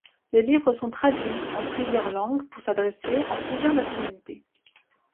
Les livres sont traduits en plusieurs langues pour s'adresser à plusieurs nationalités.